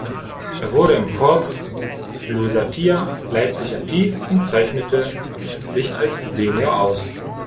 Er wurde im Corps Lusatia Leipzig aktiv und zeichnete sich als Senior aus.